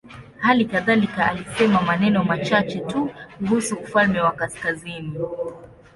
Hali kadhalika alisema maneno machache tu kuhusu ufalme wa kaskazini.